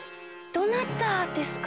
どなたですか？